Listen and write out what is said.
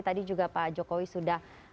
tadi juga pak jokowi sudah